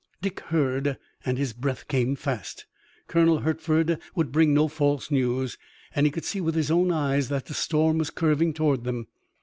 Dick heard and his breath came fast. Colonel Hertford would bring no false news, and he could see with his own eyes that the storm was curving toward them.